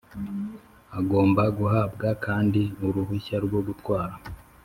agomba guhabwa kandi uruhushya rwo gutwara